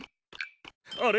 あれ？